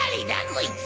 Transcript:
こいつ。